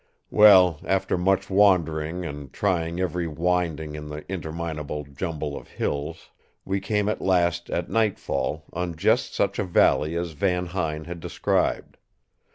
"Well, after much wandering and trying every winding in the interminable jumble of hills, we came at last at nightfall on just such a valley as Van Huyn had described.